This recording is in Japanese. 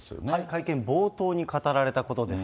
会見冒頭に語られたことです。